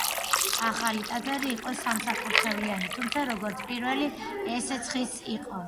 ახალი ტაძარი იყო სამსაკურთხევლიანი, თუმცა, როგორც პირველი, ესეც ხის იყო.